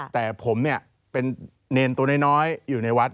แต่ผมเนรนตัวน้อยอยู่ในวัด